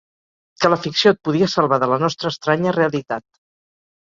Que la ficció et podia salvar de la nostra estranya realitat.